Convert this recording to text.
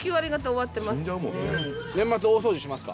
年末大掃除しますか？